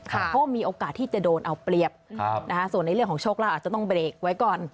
เพราะว่ามีโอกาสที่จะโดนเอาเปรียบส่วนในเรื่องของโชคลาภอาจจะต้องเบรกไว้ก่อน